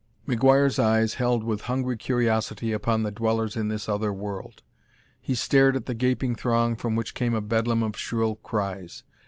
McGuire's eyes held with hungry curiosity upon the dwellers in this other world; he stared at the gaping throng from which came a bedlam of shrill cries.